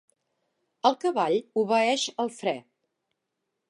El cavall obeeix el fre.